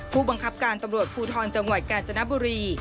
ผู้บังคับการตำรวจภูทรจังหวัดกาญจนบุรี